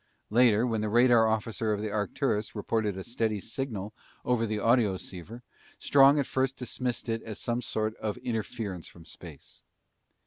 Later, when the radar officer of the Arcturus reported a steady signal over the audioceiver, Strong at first dismissed it as some form of interference from space.